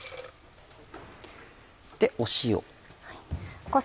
塩。